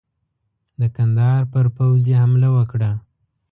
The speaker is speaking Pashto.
د کندهار پر پوځ یې حمله وکړه.